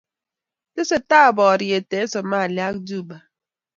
Testetaa poriyet en somalia ak juba